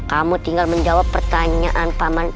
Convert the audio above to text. kamu tinggal menjawab pertanyaan paman